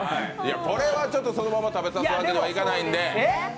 これはちょっと、そのまま食べさすわけにはいかないんで。